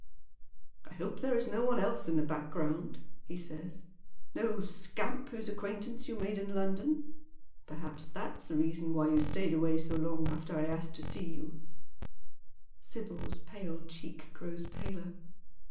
" I hope there is no one else in the background," he says, " no scamp whose acquaintance you made in London. Perhaps that's tlic reason why you stayed away so long after I had asked to see yoii." Sibyl's pale cheek grows paler.